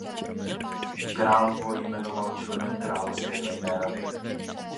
Král ho jmenoval členem královské tajné rady.